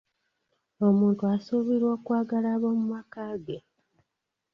Omuntu asuubirwa okwagala aboomumaka ge.